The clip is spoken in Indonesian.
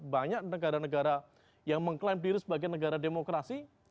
banyak negara negara yang mengklaim diri sebagai negara demokrasi